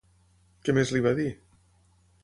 Què més li va dir?